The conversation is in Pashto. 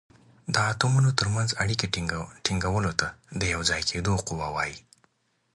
د اتومونو تر منځ اړیکې ټینګولو ته د یو ځای کیدو قوه وايي.